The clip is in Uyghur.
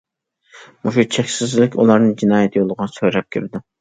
مۇشۇ چەكسىزلىك ئۇلارنى جىنايەت يولىغا سۆرەپ كىرىدۇ.